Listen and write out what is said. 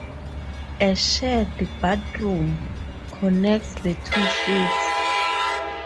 A shared bathroom connects the two suites.